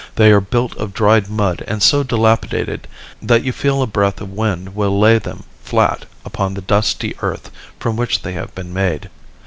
They are built of dried mud and so dilapidated that you feel a breath of wind will lay them flat upon the dusty earth from which they have been made.